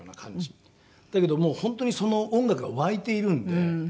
だけどもう本当にその音楽が湧いているんで。